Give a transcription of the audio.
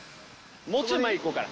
もうちょい前行こうかな